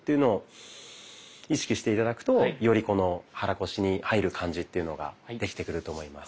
意識して頂くとより肚腰に入る感じというのができてくると思います。